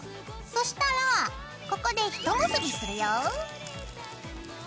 そしたらここでひと結びするよ。